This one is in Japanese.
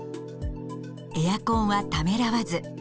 エアコンはためらわず。